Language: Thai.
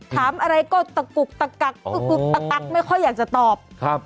ถามอะไรก็กุกตั๊กกั๊กไม่ค่อยอยากจะตอบ